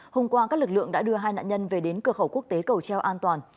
hôm qua các lực lượng đã đưa hai nạn nhân về đến cửa khẩu quốc tế cầu treo an toàn